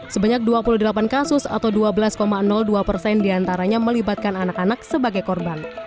sebanyak dua puluh delapan kasus atau dua belas dua persen diantaranya melibatkan anak anak sebagai korban